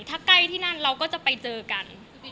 ถ้าใกล้ที่นั่นเราก็จะไปเจอกัน